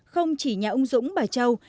không chỉ nhà ông dũng bà châu